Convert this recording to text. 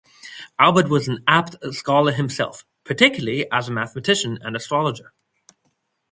Albert was an apt scholar himself, particularly as a mathematician and astrologer.